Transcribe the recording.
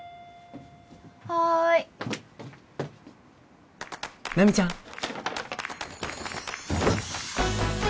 はい奈未ちゃん